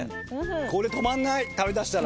これ止まんない食べだしたら。